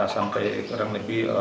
sampai kurang lebih